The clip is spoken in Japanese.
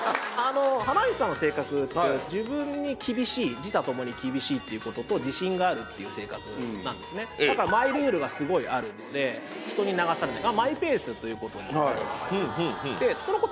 原西さんの性格って自分に厳しい自他ともに厳しいっていうことと自信があるっていう性格なんですねだからマイルールがすごいあるので人に流されないマイペースということになります